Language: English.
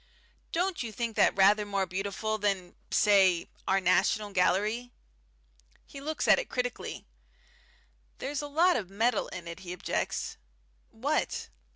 "Don't you think that rather more beautiful than say our National Gallery?" He looks at it critically. "There's a lot of metal in it," he objects. "What?"